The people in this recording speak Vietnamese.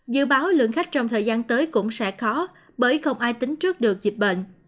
dự báo lượng khách trong thời gian tới cũng sẽ khó bởi không ai tính trước được dịch bệnh